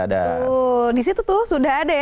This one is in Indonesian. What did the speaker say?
betul di situ tuh sudah ada ya